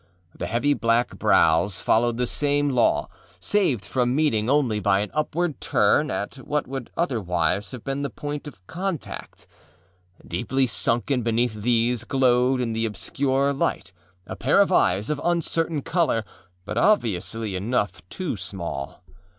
The heavy black brows followed the same law, saved from meeting only by an upward turn at what would otherwise have been the point of contact. Deeply sunken beneath these, glowed in the obscure light a pair of eyes of uncertain color, but obviously enough too small.